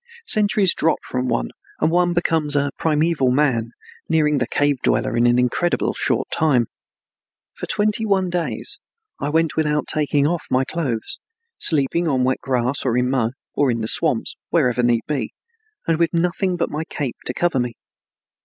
Centuries drop from one, and one becomes a primeval man, nearing the cave dweller in an incredibly short time. For twenty one days I went without taking off my clothes, sleeping on wet grass or in mud, or in the swamps, wherever need be, and with nothing but my cape to cover me.